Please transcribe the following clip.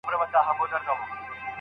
په دنیا کي چي تر څو جبر حاکم وي